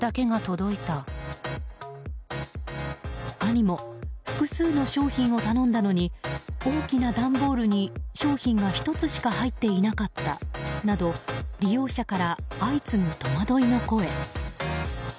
他にも複数の商品を頼んだのに大きな段ボールに商品が１つしか入っていなかったなど利用者から相次ぐ戸惑いの声。